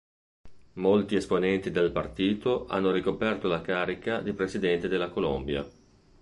Molti esponenti del partito hanno ricoperto la carica di Presidente della Colombia.